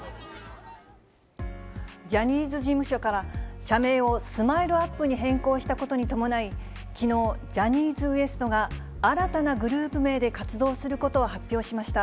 ジャニーズ事務所から、社名をスマイルアップに変更したことに伴い、きのう、ジャニーズＷＥＳＴが新たなグループ名で活動することを発表しま